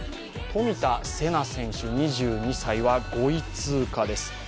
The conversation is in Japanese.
冨田せな選手２２歳は５位通過です。